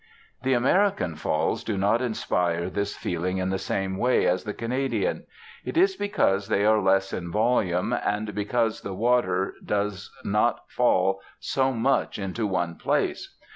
The American Falls do not inspire this feeling in the same way as the Canadian. It is because they are less in volume, and because the water does not fall so much into one place.